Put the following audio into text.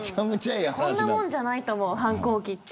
こんなもんじゃないと思う反抗期って。